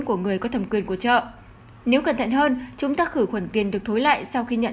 của người có thẩm quyền của chợ nếu cẩn thận hơn chúng ta khử khuẩn tiền được thối lại sau khi nhận